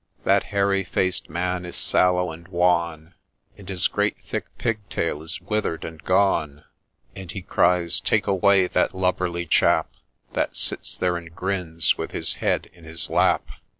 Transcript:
That Hairy faced man is sallow and wan, And his great thick pigtail is wither'd and gone ; And he cries, ' Take away that lubberly chap That sits there and grins with his head in his lap